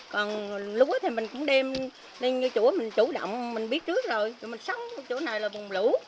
còn lúa thì mình cũng đem lên như chỗ mình chủ động mình biết trước rồi mình sống chỗ này là vùng lũ